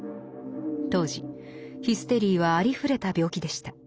当時ヒステリーはありふれた病気でした。